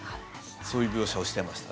そういう描写をしてました。